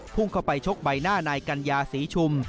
พุ่งเข้าไปชกใบหน้านายกัญญาศรีชุม